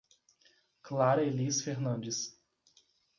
Clara Elis Fernandes